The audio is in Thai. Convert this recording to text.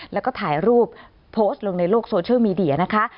แล้วก็ถ่ายรูปโพสต์ลงในโลกโซเชียลมีเดียนะคะ